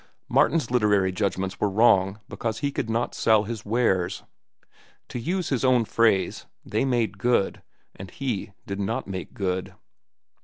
Martin's literary judgments were wrong because he could not sell his wares. To use his own phrase, they made good, and he did not make good.